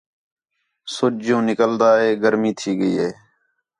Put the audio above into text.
سُڄ جُوں نکلتا ہے گرمی تھی ڳئی ہے